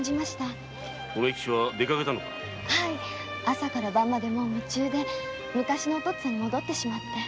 朝から晩までもう夢中で昔のお父っつぁんに戻ってしまって。